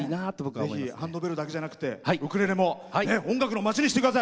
ぜひハンドベルだけじゃなくウクレレも音楽の町にしてください。